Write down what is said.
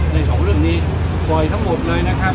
สองเรื่องนี้บ่อยทั้งหมดเลยนะครับ